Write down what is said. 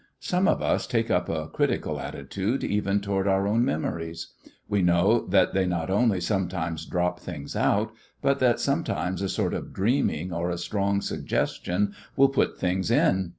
Some of us take up a critical attitude even toward our own memories; we know that they not only sometimes drop things out, but that sometimes a sort of dreaming or a strong suggestion will put things in.